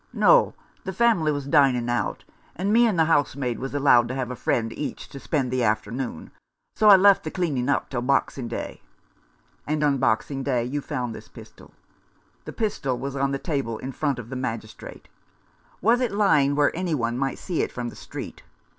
" No, the family was dining out, and me and the housemaid was allowed to have a friend each to spend the afternoon, so I left the cleaning up till Boxing Day." " And on Boxing Day you found this pistol ?" The pistol was on the table in front of the Magistrate. "Was it lying where any one might see it from the street